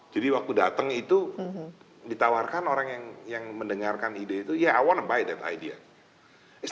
jadi waktu datang itu ditawarkan orang yang mendengarkan ide itu ya saya ingin membeli ide itu